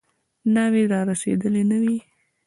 ناوې رارسېدلې نه وي.